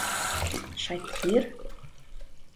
— Шакир?..